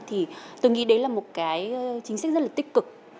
thì tôi nghĩ đấy là một chính sách rất tích cực